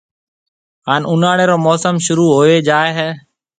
ھان اُوناݪيَ رو موسم شروع ھوئيَ جائيَ ھيََََ